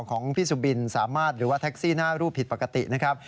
ของพี่สุบินสามารถหรือว่าแท็กซี่หน้ารูปผิดปกตินะครับ